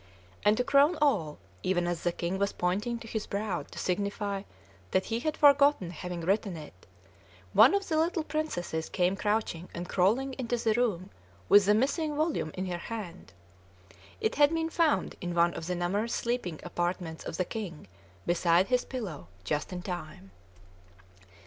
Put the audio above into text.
And to crown all, even as the king was pointing to his brow to signify that he had forgotten having written it, one of the little princesses came crouching and crawling into the room with the missing volume in her hand. It had been found in one of the numerous sleeping apartments of the king, beside his pillow, just in time!